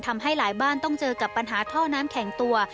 ทำให้หลายบ้านต้องเจอกับปัญหาท่อน้ำแข็งตัว